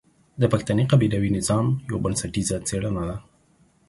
د پښتني قبيلوي نظام يوه بنسټيزه څېړنه ده.